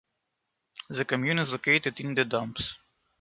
The commune is located in the Dombes.